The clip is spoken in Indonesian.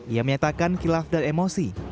ia menyatakan kilaf dan emosi